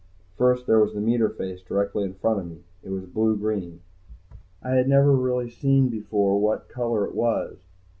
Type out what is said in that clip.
First there was the meter face directly in front of me. It was blue green. I had never really seen before what color it was.